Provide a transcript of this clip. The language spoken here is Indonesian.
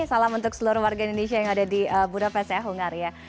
salam untuk seluruh warga indonesia yang ada di budapest ya hungaria